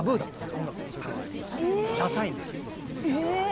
音楽でそういうことやるというのが、ださいみたいな。